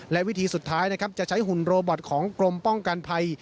และวิธีสุดท้ายนะครับจะใช้หุ่นโรบอตของกรมป้องกันภัย